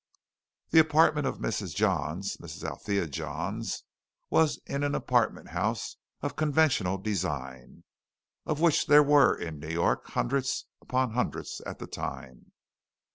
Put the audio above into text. The apartment of Mrs. Johns Mrs. Althea Johns was in an apartment house of conventional design, of which there were in New York hundreds upon hundreds at the time.